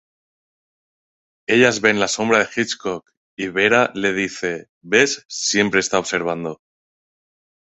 Ellas ven la sombra de Hitchcock y Vera le dice: "Ves, siempre está observando".